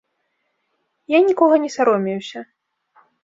Я нікога не саромеюся.